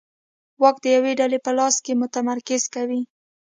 واک د یوې ډلې په لاس کې متمرکز کوي